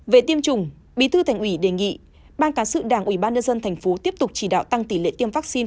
về tiêm chủng bí thư thành ủy đề nghị ban cán sự đảng ubnd tp tiếp tục chỉ đạo tăng tỷ lệ tiêm vaccine